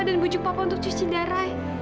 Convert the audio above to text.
dan bujuk papa untuk cuci darah